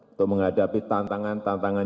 untuk menghadapi tantangan tantangan